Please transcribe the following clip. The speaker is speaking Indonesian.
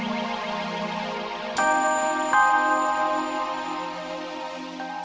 kalau sheila dipenjara